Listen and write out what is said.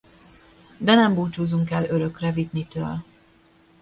De nem búcsúzunk el örökre Whitney-től.